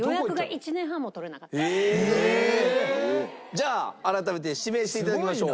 じゃあ改めて指名して頂きましょう。